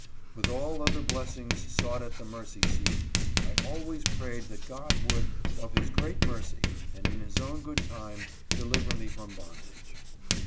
With all other blessings sought at the mercy seat, I always prayed that God would, of His great mercy, and in His own good time, deliver me from my bondage.